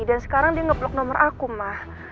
dan sekarang dia ngeblok nomor aku ma